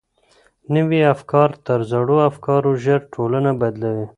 نوي افکار تر زړو افکارو ژر ټولنه بدلوي.